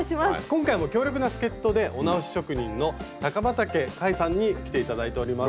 今回も強力な助っ人でお直し職人の高畠海さんに来て頂いております。